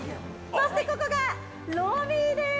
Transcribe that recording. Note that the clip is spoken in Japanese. ◆そして、ここがロビーです！